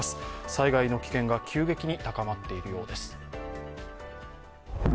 災害の危険が急激に高まっているようです。